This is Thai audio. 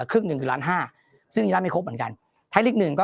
แค่ครึ่งหนึ่งล้าน๕ซึ่งยังไม่ครบเหมือนกันไทยลีก๑ก็